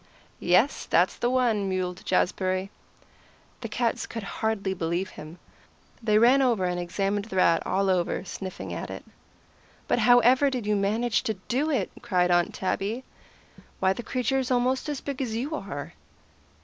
"Yes, that's the one," mewed Jazbury. The cats could hardly believe him. They ran over and examined the rat all over, sniffing at it. "But how ever did you manage to do it?" cried Aunt Tabby. "Why, the creature's almost as big as you are."